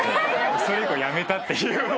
それ以降やめたっていう。